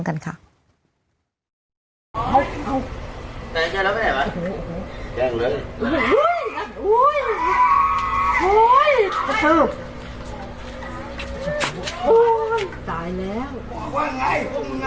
ทนให้หมดเนี่ยตกให้หมดเนี่ยทนให้หมด